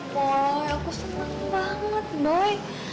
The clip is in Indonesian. boy aku seneng banget boy